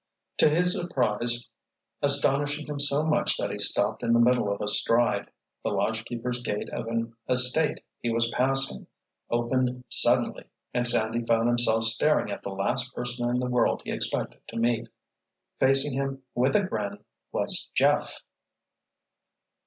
To his surprise, astonishing him so much that he stopped in the middle of a stride, the lodgekeeper's gate of an estate he was passing opened suddenly and Sandy found himself staring at the last person in the world he expected to meet. Facing him with a grin was Jeff!